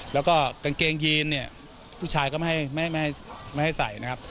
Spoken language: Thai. แล้วก็กางเกงยีนเนี่ยผู้ชายก็ไม่ให้ใส่นะครับ